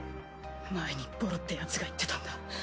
前にボロってヤツが言ってたんだ。